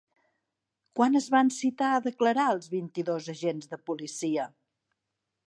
Quan es van citar a declarar els vint-i-dos agents de policia?